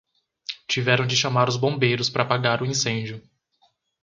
Tiveram de chamar os bombeiros para apagar o incêndio